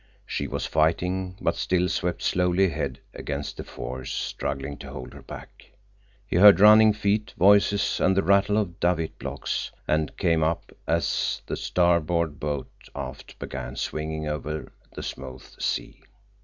She was fighting, but still swept slowly ahead against the force struggling to hold her back. He heard running feet, voices, and the rattle of davit blocks, and came up as the starboard boat aft began swinging over the smooth sea.